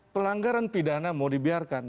pelanggaran pidana mau dibiarkan